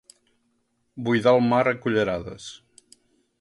Buidar el mar a cullerades.